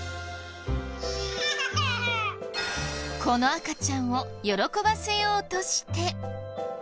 この赤ちゃんを喜ばせようとして。